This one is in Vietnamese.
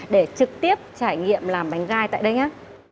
để trực tiếp trải nghiệm làm bánh gai tại đây nhé